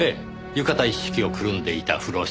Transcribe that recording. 浴衣一式をくるんでいた風呂敷。